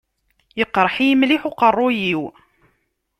Iqerreḥ-iyi mliḥ uqerruy-iw.